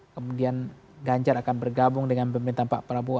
kemudian ganjar akan bergabung dengan pemerintahan pak prabowo